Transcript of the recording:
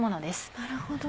なるほど。